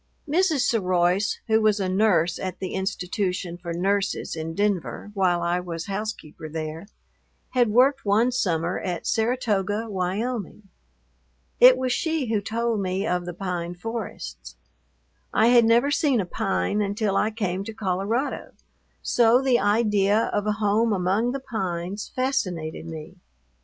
Mrs. Seroise, who was a nurse at the institution for nurses in Denver while I was housekeeper there, had worked one summer at Saratoga, Wyoming. It was she who told me of the pine forests. I had never seen a pine until I came to Colorado; so the idea of a home among the pines fascinated me.